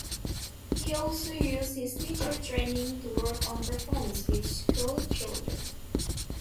He also used his teacher training to work on performances with schoolchildren.